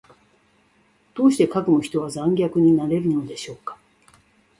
どうしてかくも人は残虐になれるのでしょうか。